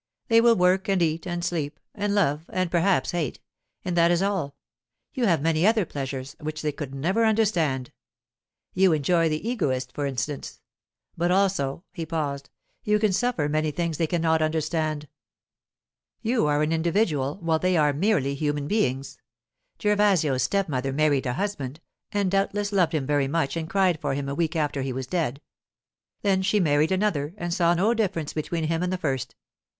They will work and eat and sleep, and love and perhaps hate, and that is all. You have many other pleasures which they could never understand. You enjoy the Egoist, for instance. But also'—he paused—'you can suffer many things they cannot understand. You are an individual, while they are merely human beings. Gervasio's stepmother married a husband, and doubtless loved him very much and cried for him a week after he was dead. Then she married another, and saw no difference between him and the first.